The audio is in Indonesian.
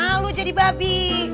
dia malu jadi babi